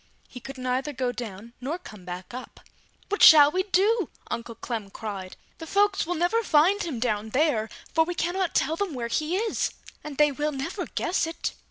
He could neither go down nor come back up. "What shall we do?" Uncle Clem cried, "The folks will never find him down there, for we can not tell them where he is, and they will never guess it!"